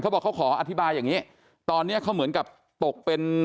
บอกเขาขออธิบายอย่างนี้ตอนเนี้ยเขาเหมือนกับตกเป็น